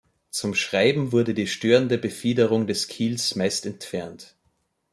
Zum Schreiben wurde die störende Befiederung des Kiels meist entfernt.